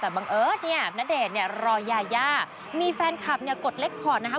แต่บังเอิร์ดนี่นาเดชน์รอยาย่ามีแฟนคลับกดเล็กคอร์ดนะคะ